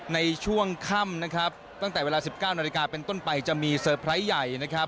ในช่วงค่ำนะครับตั้งแต่เวลา๑๙นาฬิกาเป็นต้นไปจะมีเซอร์ไพรส์ใหญ่นะครับ